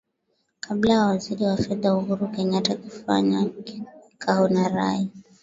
kabla ya waziri wa fedha uhuru kenyatta kufanya kikao na rai